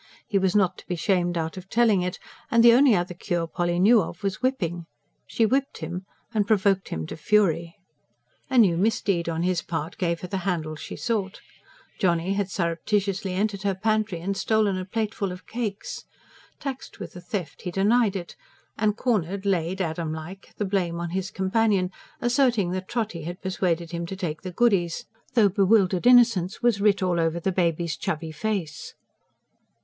He was not to be shamed out of telling it; and the only other cure Polly knew of was whipping. She whipped him; and provoked him to fury. A new misdeed on his part gave her the handle she sought. Johnny had surreptitiously entered her pantry and stolen a plateful of cakes. Taxed with the theft he denied it; and cornered, laid, Adam like, the blame on his companion, asserting that Trotty had persuaded him to take the goodies; though bewildered innocence was writ all over the baby's chubby face.